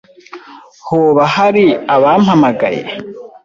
Hoba hari abampamagaye?